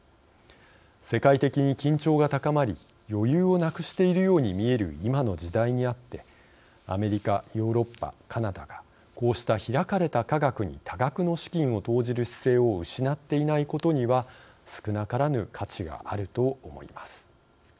世界的に緊張が高まり余裕をなくしているように見える今の時代にあってアメリカ、ヨーロッパ、カナダがこうした開かれた科学に多額の資金を投じる姿勢を失っていないことには少なからぬ価値があると思います。